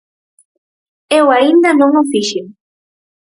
Eu aínda non o fixen.